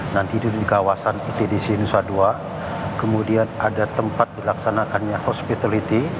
nanti di kawasan itdc nusa dua kemudian ada tempat dilaksanakannya hospitality